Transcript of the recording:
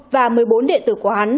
và một mươi bốn địa tử của hắn